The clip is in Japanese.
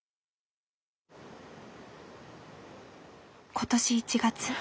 今年１月。